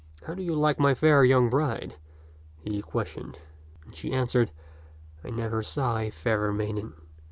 "How do you like my fair young bride?" he questioned ; and she answered, " I never saw a fairer maiden.